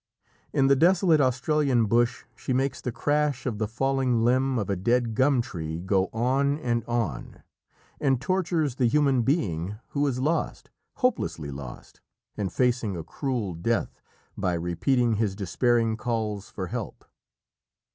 In the desolate Australian bush she makes the crash of the falling limb of a dead gum tree go on and on, and tortures the human being who is lost, hopelessly lost, and facing a cruel death, by repeating his despairing calls for help.